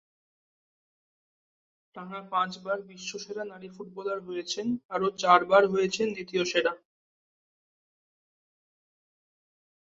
টানা পাঁচবার বিশ্বসেরা নারী ফুটবলার হয়েছেন, আরও চারবার হয়েছেন দ্বিতীয় সেরা।